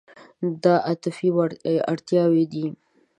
دا عاطفي اړتیاوې دي.